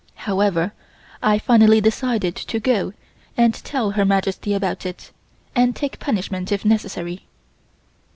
However, I finally decided to go and tell Her Majesty about it, and take punishment if necessary.